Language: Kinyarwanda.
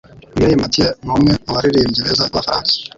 Mireille Mathieu numwe mubaririmbyi beza b'Abafaransa.